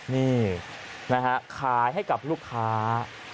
นี่นะฮะขายให้กับลูกค้า